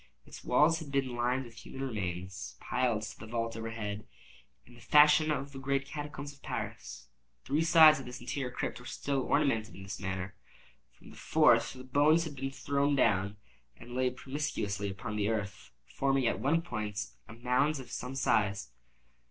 Its walls had been lined with human remains, piled to the vault overhead, in the fashion of the great catacombs of Paris. Three sides of this interior crypt were still ornamented in this manner. From the fourth the bones had been thrown down, and lay promiscuously upon the earth, forming at one point a mound of some size.